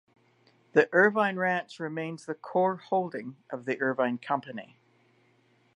The Irvine Ranch remains the core holding of The Irvine Company.